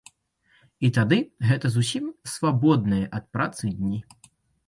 І тады гэта зусім свабодныя ад працы дні.